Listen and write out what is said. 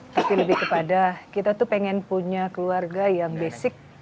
tapi lebih kepada kita tuh pengen punya keluarga yang basic